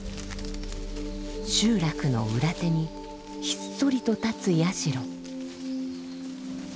集落の裏手にひっそりと建つ社。